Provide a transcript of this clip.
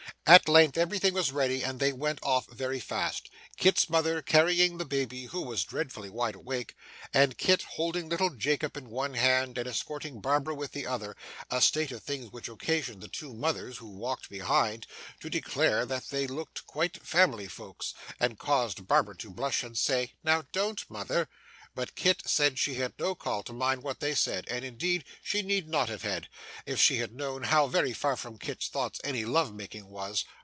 At length, everything was ready, and they went off very fast; Kit's mother carrying the baby, who was dreadfully wide awake, and Kit holding little Jacob in one hand, and escorting Barbara with the other a state of things which occasioned the two mothers, who walked behind, to declare that they looked quite family folks, and caused Barbara to blush and say, 'Now don't, mother!' But Kit said she had no call to mind what they said; and indeed she need not have had, if she had known how very far from Kit's thoughts any love making was.